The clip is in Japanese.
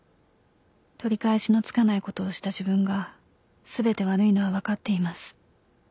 「取り返しのつかないことをした自分が全て悪いのは分かっています」